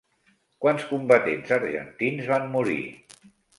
Quants combatents argentins van morir?